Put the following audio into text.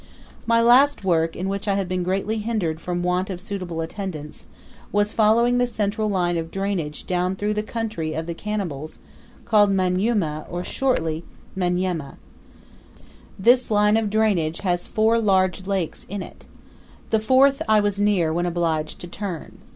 My last work, in which I have been greatly hindered from want of suitable attendants, was following the central line of drainage down through the country of the cannibals, called Manyuema, or, shortly Manyema. This line of drainage has four large lakes in it. The fourth I was near when obliged to turn.